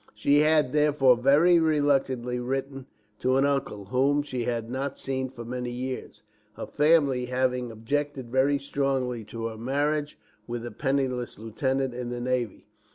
She had, therefore, very reluctantly written to an uncle, whom she had not seen for many years, her family having objected very strongly to her marriage with a penniless lieutenant in the navy.